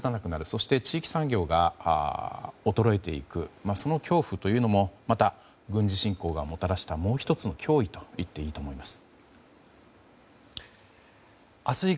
そして地域産業が衰えていくその恐怖というのもまた軍事侵攻がもたらしたもう１つの脅威といっていいと思います。